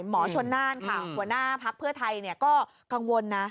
หมอชน่านหัวหน้าภักษ์เพื่อไทยก็กังวล